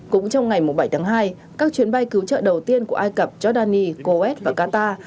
cũng trong ngày bảy hai các chuyến bay cứu trợ đầu tiên của ai cập jordan kuwait và qatar